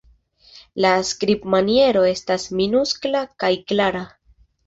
La skribmaniero estas minuskla kaj klara.